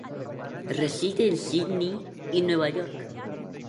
Reside en Sydney y Nueva York.